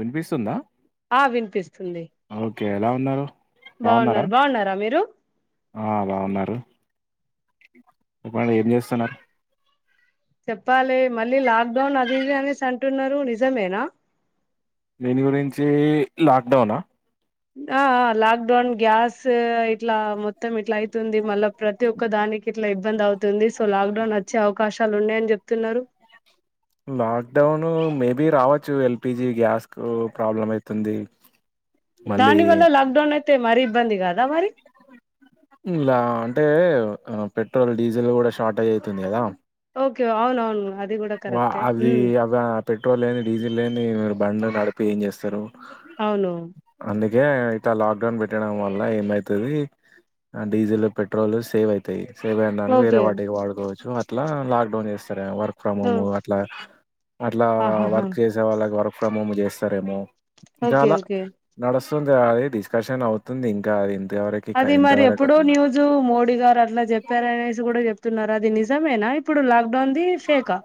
వినిపిస్తుందా ఆ వినిపిస్తుంది ఓకే ఎలా ఉన్నారు బాగున్నారా బాగున్నారు బాగున్నారా మీరు ఆ బాగున్నారు చెప్పండి ఏం చేస్తున్నారు చెప్పాలి మళ్ళీ లాక్ డౌన్ అదిది అనేసి అంటున్నారు నిజమేనా దేని గురించి లాక్ డౌన్ ఆ ఆ లాక్ డౌన్ గ్యాస్ ఇట్లా మొత్తం ఇట్లా అవుతుంది మళ్ళా ప్రతి ఒక్క దానికి ఇట్లా ఇబ్బంది అవుతుంది సో లాక్ డౌన్ వచ్చే అవకాశాలు ఉన్నాయయని చెప్తున్నారు లాక్డౌను మేబి రావచ్చు ఎల్పిజి గ్యాస్ కు ప్రాబ్లం ఐతే ఉంది దాని వల్ల లాక్ డౌన్ అయితే మరి ఇబ్బంది కాదా ఇలా అంటే పెట్రోల్ డీజిల్ కూడాషార్టేజ్ అవుతుంది కదా ఓకే అవును అవును వా అది అద పెట్రోల్ లేని డీజిల్ లేని బండ్లు న డిపి ఏం చేస్తారు అవును ఇకా ఇట్ లాక్ డౌన్ పెట్టడం వల్ల ఏమైతుది ఆ డీజిల్ పెట్రోల్ సేవ్ అయితాయి సేవ్ ఐదానికి వేరే ఓకే వాటికి వాడుకోవచ్చు అట్లా లాక్డౌన్ చేస్తారే వర్క్ వర్క్ ఫ్రమ్ ఓ హోం అట్లా అట్లా ఆహాహా వర్క్ చేసే వాళ్ళకి వర్క్ ఫ్రమ్ హోమ్ చేస్తారేమో ఓకే ఇంకాాల ఓకే నడుస్తుంది అది డిస్కషన్ అవుతుంది ఇంకా అది ఇంతవరకు అది ఎంత మరి వరకు ఎప్పుడో అవుతుంది న్యూస్ మోడీ గారు అట్లా చెప్పారనేసి కూడా చెప్ న్నారు అది నిజమేనా ఇప్పుడు లాక్డౌన్దిి ఫేకా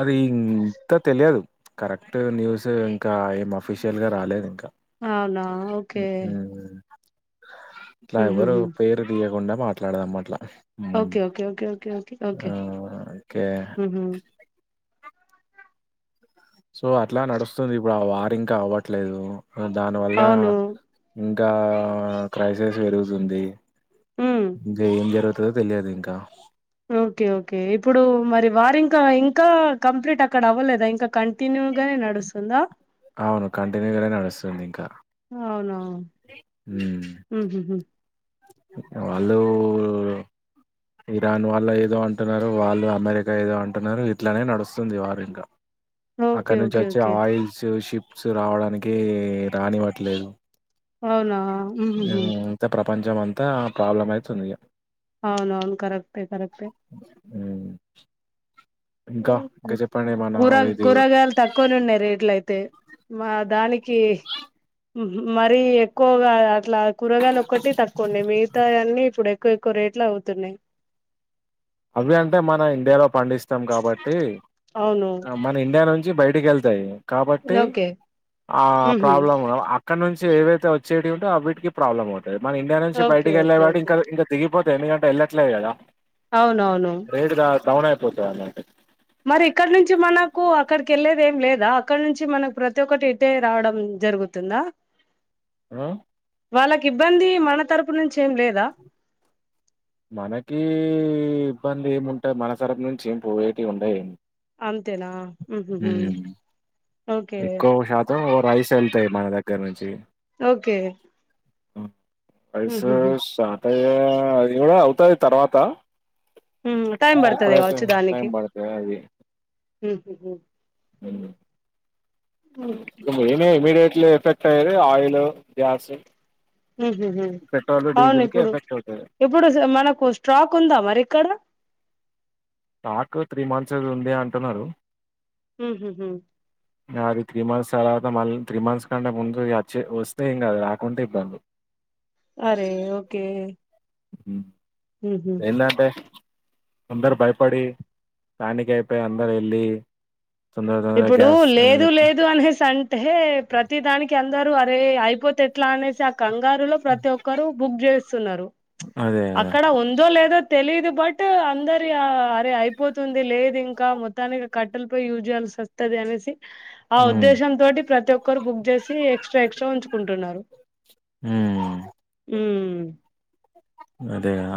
అది ఇంకా తెలియదు కరెక్ట్ న్యూస్ ఇంకా ఏం అఫీషియల్ గా రాలేదు ఇంకా అవునా ఓకే ఉమ్. ఇట్లా ఎవరు ఉహుహు పేరు తీయకుండా మాట్లాడధం అట్లా okay okay okay okay okay okay ఆ ఒకే ఉహు సో అట్లా నడుస్తుంది ఇప్పుడు ఆ వార్ ఇంకా అవ్వట్లేదు దానివల్ల అవును ఇంకా క్రైసిస్ పెరుగుతుంది ఉమ్ ఇంకా ఏం జరుగుతుందో తెలియదు ఇంకా ఓకే ఓకే ఇప్పుడు మరి వారింకా ఇంకా కంప్లీట్ అక్కడ అవ్వలేదా ఇంకా కంటిన్యూ గానే నడుస్తుందా అవును కంటిన్యూ గా నడుస్తుంది ఇంకా అవునవును హ [inaudible] వాళ్ళు ఇరాన్ వాళ్ళు ఏదో అంటున్నారు వాళ్ళు అమెరికా ఏదో అంటున్నారు ఇట్లానే నడుస్తుంది వార్ ఇంకా ఓకే అక్కడ నుంచి ఓకే వచ్చే ఓకే ఆయిల్స్ షిప్స్ రావడానికి రానివ్వట్లేదు అవునా ఉహ్ హు హ్మ్. అంతా ప్రపంచం అంతా ప్రాబ్లం అయితుంది అవును అవును కరెక్ట్ే కరెక్ట్ే హమ్ కూర ఇది కూరగాయలు తక్కువనే ఉన్నాయి రేట్ల అయితే మా దానికి కే మరి ఎక్కువగా అట్లా కూరగాయలు ఒకక్కటి తక్కువండి మిగతా అన్నీ ఇప్పుడు ఎక్కువ ఎక్కువ రేట్ ఎట్లా అవుతున్నాయి అవి అంటే మన ఇండియాలో పండిస్తాం కాబట్టి అవును మన ఇండియా నుంచి బయటికి వెళ్తాయి కాబట్టి ఓకే ఆ ఉహు ప్రాబ్లం అక్కడ నుంచి ఏవైతే వచ్చేవింటో వా వటికి ప్రాబ్లం అవుతది మన ఇండియా నుంచి ఓకే బయటకి వెళ్లే ఓకే వాటి ఓకే ఇంకా ఇంకా దిగిపోతంది ఎందుకు అంటే వెళ్ళట్లే లేదు కదా అవును అవును డవనై అయిపోతానండి అ మరి ఇక్కడ్ నుంచి మనకు అక్కడికి వెళ్ళేది ఏమ్ లేదా అక్కడ నుంచి మనకు ప్రతి ఒక్కటి ఇటే రావడమ్ జరుగుతుందా ఆ వాళ్ళకి ఇబ్బంది మన తరపు నుంచ్ మనకి ఈ ఇబ్బంది ఏమ్ ఉంటాయి మనసరం నుంచి ఏమ్ పోయేటి ఉండయి అంతేనా ఏ ఉహుహు ఓకే ఎక్కువ శాతం రైస్ వెళ్తాయి మన దగ్గర నుంచి ఓకే ఆ ఐసు ఉహుహు సాటర్డ్ అది కూడా అవుతది తర్వాత ఉమ్ టైం పడుతది ఎప్పుడైతే ఏం కావచ్చు దానికి టైమ్ పడతది అది ఉహుహు ఏమే నీళ్ళుపెట్ట ఇట్లా ఎఫెక్ట్ అయ్యది ఆయిల్ గ్యాస్ ఉహుహు పెట్రోల్ అవును డీజిల్ కి ఇప్పుడు ఎఫెక్ట్ అవుతది ఇప్పుడు మనకు స్టాక్ ఉందా మరి ఇక్కడ స్టాక్ త్రీ మంత్స్ది ఉంది అంటున్నారు ఉహుహు అది త్రీ మంత్స్ తర్వాత మళ్ళీ త్రీ మంత్స్ కంటే ముందు వచ్చి వస్తే ఏం కాదు అది రాకుంటే ఇబ్బంది అరే ఓకే ఉహు ఎందటే అందరు భయపడి ప్యానికి అయిపోయి అందరు వెళ్లి తొందర తొందరగా ఇప్పుడు గ్యాస్ లేదు లేదు అనేసి అంటే ప్రతి దానికి అందరూ అరే అయిపోతే ఎట్లా అనేసి కంగారులో ప్రతి ఒక్కరు బుక్ చేస్తున్నారు అదే కదా అక్కడ ఉందో లేదో తెలిదు బట్టు అందరి అరే అయిపోతుంది లేదు ఇంకా మొత్తానికి కట్టెల్ పోయి యూజ్యాల్స్ సస్తాది అనేసి ఆ ఉమ్ ఉద్దేశం తోటి ప్రతి ఒక్కరు బుక్ చేసి ఎక్స్ట్రా ఎక్స్ట్రాల్ ఉంచుకుంటుఉన్నారు ఉమ్ మ్ అదే గదా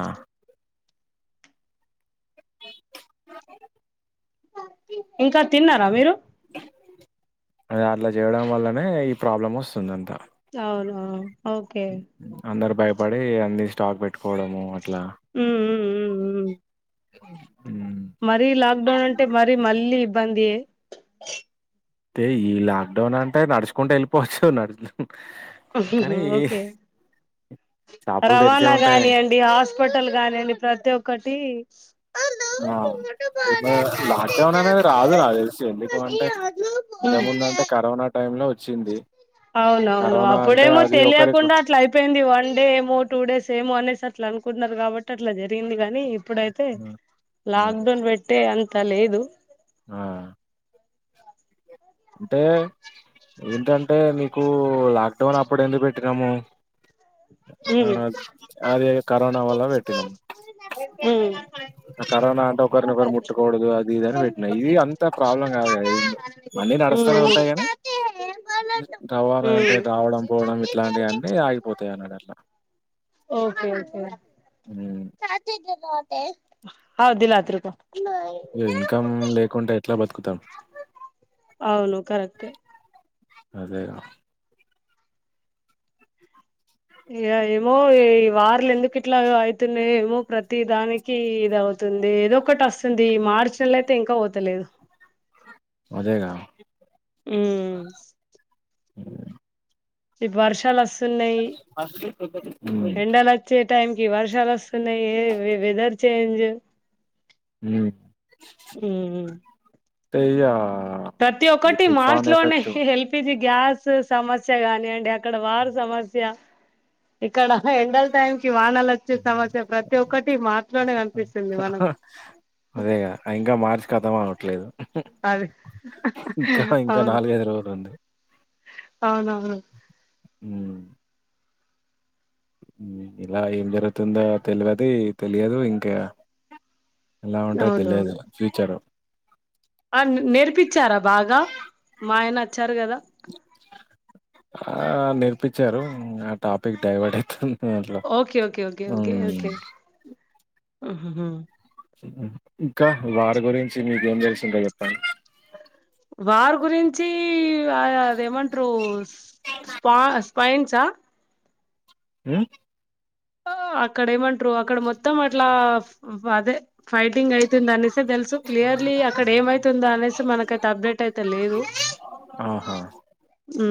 [inaudible] ఇంకా తిన్నారా మీరు అదే అట్లా చేయడం వల్లనే ఈ ప్రాబ్లం వస్తుంది అంతా ఆ ఓకే పడే ఏ అన్ని స్టాక్ పెట్టుకోవడమ్ అట్లా ఉమ్ ఉమ్ ఉమ్ ఉమ్ మరీ లాక్డౌన్ అంటే మరి మళ్ళీ ఇబ్బంది అయితే ఈ లాక్డౌన్ అంత నడుచుకుంట వెళ్ళిపోవచ్చు నడు ఉహూ ఓకే షాపులు తెరిచే రవాణా ఉంటాయి. కానియండి హాస్పిటల్ గానియుండి ప్రతి ఒక్కటి ఆ ఏమ లాక్డౌన్ అనేది రాదు నాక్ తెలిసి ఎందుకు అంటే ఉమ్. ఇంతముంద అంటే కరోనా టైమ్ లో వచ్చింది అవును అవును కరోనా అంటే అప్పుడేమో అది ఒకరికి తెలియకుండా అట్లా అయిపోయింది వన్ డే ఏమో టూ డేస్ ఏమో అనేసర్ అట్లా అనుకుంటన్నారు కాబట్టి అట్లా జరిగింది గాని ఇప్పుడు అయితే హ్మ్. హ్మ్. లాక్ డౌన్ పెట్టే అంత్ త లేదు ఆ టే ఏంటంటే ఇప్పుడు లాక్డౌన్ అప్పుడు ఎందుకు పెట్టినాము ఆ అది కరోనా వల్ల పెట్టినాము ఉ ఆ కరోనా అంటే ఒకరిని ఒకరు ముట్టకూడదు అది ఇదని పెట్టిన ఇది అంత ప్రాబ్లం కాదు అది ఏందో పని నడుస్తానే ఉంటాయి కానీ రవాణా అంటే రావడం పోవడం ఇట్లాంటి అన్నీ ఆగిపో అట్లా ఓకే ఓకే మ్మ్ [unintelligible] ఇన్కమ్ లేకుండా ఎట్లా బతుకుతాం అవును కరెక్టే అదే అదే ఇ ఏమో ఈ వార్లు ఎందుకు ఇట్లా అవుతున్నాయో ఏమో ప్రతి దానికి ఇది అవుతుంది ఏదో ఒకటి వస్తుంది మార్చల అయితే ఇంకా పోతలేదు అదేగా ఉ ఈ వర్షాలు వస్తున్నాయి మ్మ్ ఎండలు వచ్చే టైం కి వర్షాలు వస్తున్నాయి ఏ వెదర్ చేంజ్ ఉ ఉమ్, ఇదా ప్రతి ఒక్కటి మార్చ్ లోనే ఎల్పిజి గ్యాస్ సమస్య గాని అండి అక్కడ వారు సమస్య ఇక్కడ ఎండల టైం ఈ వానలు వచ్చే సమస్య ప్రతి ఒక్కటి మాటలోనే కనిపిస్తుంది మనకు అదేగా ఇంకా మార్చి కతం అవట్లేదు అది ఇంకా ఇంకా అవును నాలుగైదు రోజులు ఉంది అవునవును ఉ ఇలా ఏం జరుగుతుందో తెలియది తెలియదు ఇంకా ఎలా ఉంటాదో అవునవును తెలియదు ఫ్యూచరు ఆ నేర్పించారా బాగా మా ఆయన వచ్చారు కదా ఆ నేర్పించారు ఆ టాపిక్ డైవర్ట్ అయితుంది అట్లా ఓకే ఓకే ఓకే ఓకే మ్మ్ ఓకే ఉ ఉహు ఇంకా వారు గురించి మీకేం తెలిసుంటె చెప్పండి వారు గురించి అదేమంటారు స్పా స్పైన్స ఉ అక్కడ ఏమంటారు అక్కడ మొ మొత్తం అట్లా అదే ఫైటింగ్ అయితుంది అనేసి తెలుసు క్లియర్లీ అక్కడ ఏమైతుందా అనేసి మనకైతే అప్డేట్ అయితే లేదు ఆహా ఉ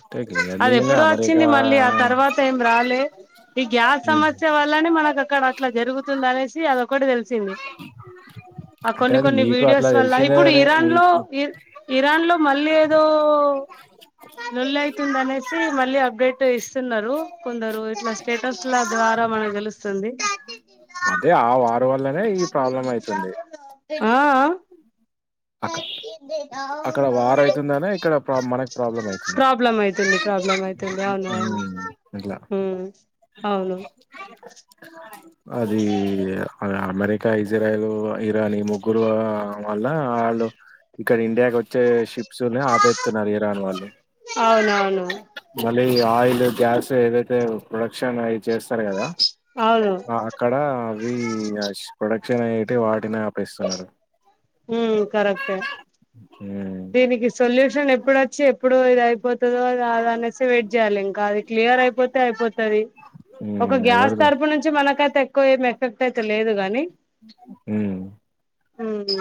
అంటే అది క్లియర్లీలే ఎప్పుడో వచ్చింది అమెరికా మళ్ళీ ఆ తర్వాత ఏం రాలే ఈ గ్యాస్ హ్మ్. సమస్య వల్లనే మనకు అక్కడ అట్లా జరుగుతుంది అనేసి అదొకటి తెలిసింది ఆ అంటే కొన్ని అది కొన్ని మీకు అట్లా వీడియోస్ వల్ల ఇప్పుడు తెలిసిందేనే ఇరాన్ లో మీకు ఇ ఇరాన్ లో మళ్ళీ ఏదో లొల్లి అయితుంది అనేసి మళ్ళీ అప్డేట్ ఇస్తున్నారు కొందరు ఇట్ల స్టేటస్ ల ద్వారా మనకు తెలుస్తుంది అదే ఆ వారు వల్లనే ఈ ప్రాబ్లం అయితుంది ఆ అక్క ఆ అక్కడ వార్ అయితుందనే ఇక్కడ ప్రా మనకు ప్రాబ్లమ్ అయితుంది. ప్రాబ్లమ్ అయితుంది ప్రాబ్లమ్ అయితుంది అవును అవును హ్మ్. ఇట్లా ఉమ్ అవును అది ఆ అమెరికా ఇజ్రాయిల్ ఇరాన్ ఈ ముగ్గురు వల్ల వాళ్ళు ఇక్కడ ఇండియాకి వచ్చే షిప్స్ ని ఆపేతున్నరు ఇరాన్ వాళ్ళు హలో ఈ ఆయిల్ గ్యాస్ ఏదైతే ప్రొడక్షన్ అయి చేస్తారు కదా అవును అక్కడ అవి ప్రొడక్షన్ అయ్యేటి వాటిన ఉమ్ కరెక్టే హ్మ్ దీనికి సొల్యూషన్ ఎప్పుడోచ్చి ఎప్పుడు ఇది అయిపో తదో కాదో అనేసి వెయిట్ చేయాలి, ఇంకా అది క్లియర్ అయిపోతే అయిపోతది. ఒక హ్మ్ గ్యాస్ ఎవరిది తరపు నుంచి మనకైతే ఎక్కువ ఏం ఎఫెక్ట్ అయితే లేదు గాని హు ఉమ్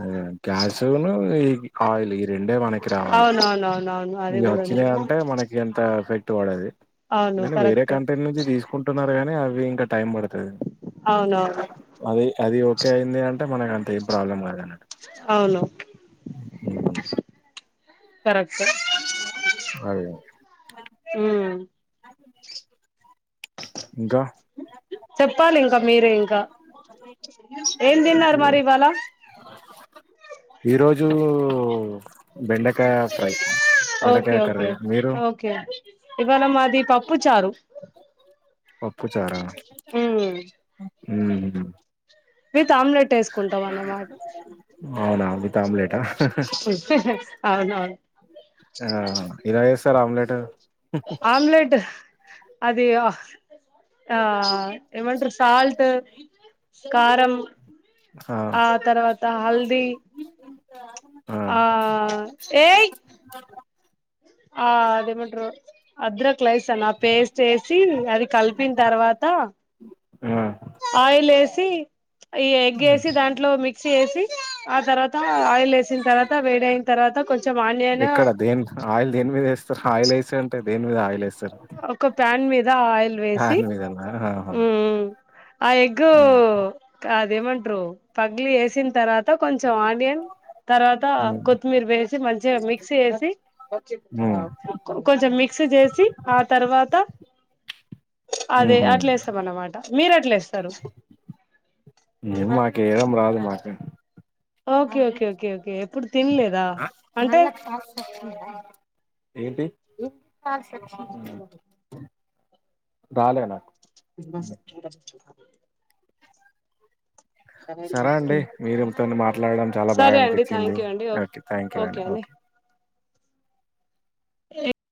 అదే గ్యాస్ ను ఈ ఆయిల్ రెండే మనకి రావాలి అవునవునవునవును అది ఇగ కూడా ఉంది వచ్చినయంటే మనకి అంత ఎఫెక్ట్ వడది అవును కానీ వేరే కరెక్టే కంట్రీ నుంచి తీసుకుంటున్నరు కాని అవి ఇంకా టైం బడు తది అవునవును అది అది ఓకే అయింది అంటే మనకు అంత ఏం ప్రాబ్లమ్ కాదనట్టు అవును ఉమ్ కరెక్టే అదే ఉమ్ ఇంకా చెప్పాలి ఇంకా మీరే ఇంకా ఏం తిన్నారు మరి ఇవాళ ఈ రోజు బెండ కాయ ఫ్రై, ఓకే బెండకాయ ఓకే కర్రీ మీరు ఓకే ఇవాళ మాది పప్పు, చారు. పప్పు, చారా ఉమ్ ఉమ్ విత్ ఆమ్లెట్ ఏసుకుంటం అన్నమాట అవునా విత్ ఆమ్లెటా అవునవును ఆ ఎలా చేస్తార్ ఆమ్లెట్ ఆమ్లెట్ అది ఆ ఆ ఏమంటరు సాల్ట్, కారం. ఆ తర్వాత హల్ది ఆ ఏయ్ ఆ అదేమంటరు అధ్రక్ క్లెయిసన్ ఆ పేస్ట్ ఏసి అది కలిపిన తర్వాత ఆ ఆయిల్ ఏసి ఈ ఎగ్ ఏసి దాంట్లో మిక్ మిక్సి చేసి ఆ తర్వాత ఆయిల్ వేసిన తర్వాత వేడయిన తర్వాత కొంచెం ఆనియన్ ఎక్కడ దేని ఆయిల్ దేని మీద ఏస్తారు, ఆయిల్ ఏసి అంటే దేని మీద ఆయిల్ ఏస్త ఒక ప్యాన్ మీద ఆయిల్ వేసి ఫ్యాన్ మీదనా ఆహా ఉమ్ ఆ ఎగ్ ఉమ్ కా ఏమంటారు పగలి ఏసిన తర్వాత కొంచెం ఆనియన్, తర్వాత కొత్తిమీర వేసి మంచిగా మిక్స్ చేసి ఉమ్ కొంచెం మిక్స్ చేసి ఆ తర్వాత అదే ఉహు అట్లేస్తమన్నమాట మీరేట్లేస్తరు. మాట్లాడు ఓకే ఓకే ఓకే ఓకే ఎప్పుడు తిన్లేదా ఆ, అంటే ఏంటి రాలే నాకు [inaudible] సరే అండి మీరుతోనీ మాట్లాడడం చాలా బాగా సరే అండి అనిపించింది, థ్యాంక్ యూ అండి ఓకే థ్యాంక్యూ అండి ఓకే.